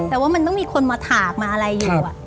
แต่ว่ามันต้องมีคนมาถากมาอะไรอยู่